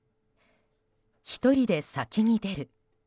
１人で先に出る。